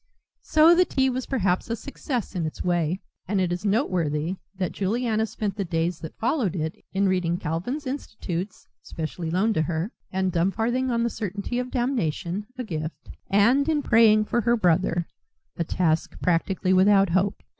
So the tea was perhaps a success in its way. And it is noteworthy that Juliana spent the days that followed it in reading Calvin's "Institutes" (specially loaned to her) and "Dumfarthing on the Certainty of Damnation" (a gift), and in praying for her brother a task practically without hope.